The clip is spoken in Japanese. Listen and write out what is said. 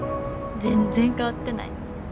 全然変わってない。